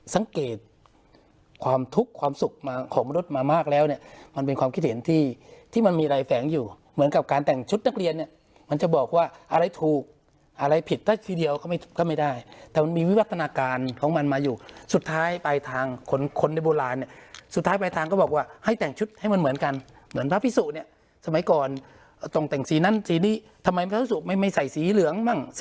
สังเกตความทุกข์ความสุขของมนุษย์มามากแล้วเนี่ยมันเป็นความคิดเห็นที่ที่มันมีไรแฝงอยู่เหมือนกับการแต่งชุดนักเรียนเนี่ยมันจะบอกว่าอะไรถูกอะไรผิดแต่ทีเดียวก็ไม่ถูกก็ไม่ได้แต่มันมีวิพัฒนาการของมันมาอยู่สุดท้ายปลายทางคนในโบราณเนี่ยสุดท้ายปลายทางก็บอกว่าให้แต่งชุดให้มันเหมือนกันเหมื